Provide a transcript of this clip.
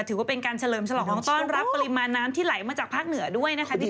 ถือว่าเป็นการเฉลิมฉลองต้อนรับปริมาณน้ำที่ไหลมาจากภาคเหนือด้วยนะคะ